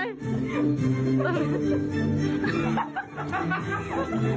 ทุกคนเนธโอ้วลาลาลาลายลาลายวาวาวาวาวาวา